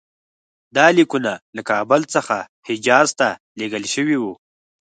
دا لیکونه له کابل څخه حجاز ته لېږل شوي وو.